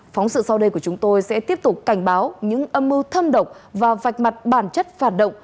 phóng sự sau đây của chúng tôi sẽ tiếp tục cảnh báo những âm mưu thâm độc và vạch mặt bản chất phản động